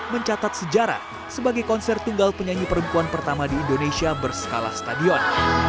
mencatat sejarah sebagai konser tunggal penyanyi perempuan pertama di indonesia berskala stadion